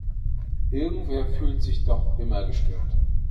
Irgendwer fühlt sich doch immer gestört.